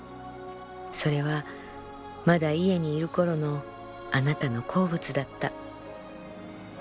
それはまだ家にいる頃のあなたの好物だった」。